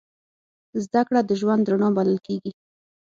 زدهکړه د ژوند رڼا بلل کېږي.